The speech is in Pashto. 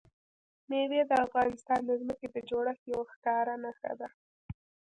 مېوې د افغانستان د ځمکې د جوړښت یوه ښکاره نښه ده.